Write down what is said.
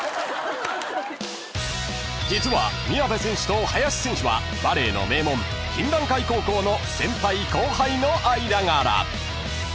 ［実は宮部選手と林選手はバレーの名門金蘭会高校の先輩後輩の間柄］